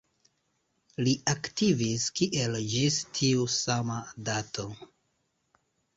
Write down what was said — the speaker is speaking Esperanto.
Li aktivis kiel ĝis tiu sama dato.